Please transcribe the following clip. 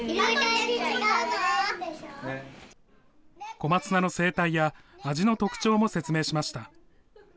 小松菜の生態や味の特徴も説明しました。